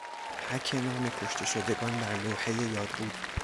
حک نام کشته شدگان بر لوحهی یادبود